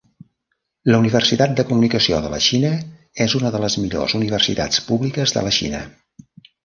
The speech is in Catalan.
La Universitat de Comunicació de la Xina és una de les millors universitats públiques de la Xina.